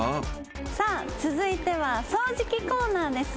さあ続いては掃除機コーナーですね。